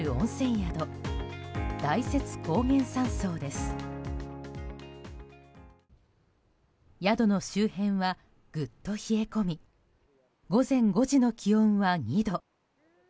宿の周辺はぐっと冷え込み午前５時の気温は２度。